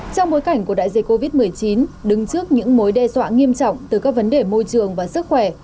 trong bối cảnh của đại dịch covid một mươi chín đứng trước những mối đe dọa nghiêm trọng từ các vấn đề môi trường và sức khỏe